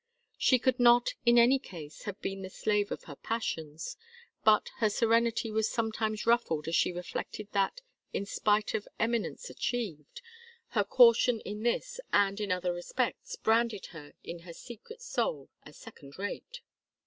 She could not in any case have been the slave of her passions, but her serenity was sometimes ruffled as she reflected that, in spite of eminence achieved, her caution in this and in other respects branded her in her secret soul as second rate.